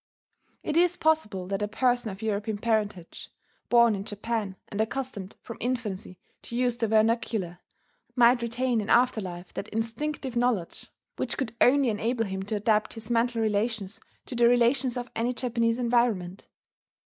It is possible that a person of European parentage, born in Japan, and accustomed from infancy to use the vernacular, might retain in after life that instinctive knowledge which could alone enable him to adapt his mental relations to the relations of any Japanese environment.